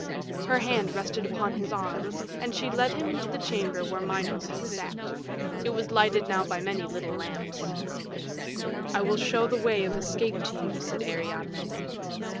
Her hand rested upon his arm, and she led him into the chamber where Minos had sat. It was lighted now by many little lamps. "I will show the way of escape to you," said Ariadne.